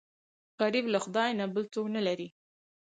غریب له خدای نه بل څوک نه لري